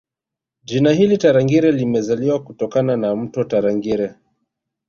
Jina hili Tarangire limezaliwa kutokana na mto Tarangire